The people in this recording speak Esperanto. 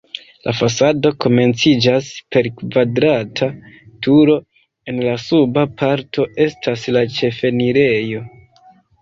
La fasado komenciĝas per kvadrata turo, en la suba parto estas la ĉefenirejo.